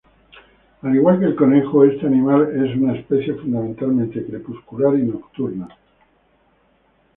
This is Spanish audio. Al igual que el conejo, este animal es una especie fundamentalmente crepuscular y nocturna.